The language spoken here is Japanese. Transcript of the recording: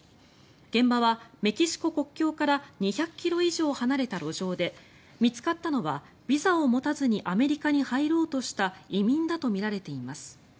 現場はメキシコ国境から２００ｋｍ以上離れた路上で見つかったのはビザを持たずにアメリカに入ろうとした移民だとみられています。